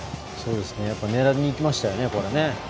やっぱり狙いにいきましたよね。